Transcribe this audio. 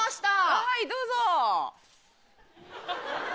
はいどうぞ。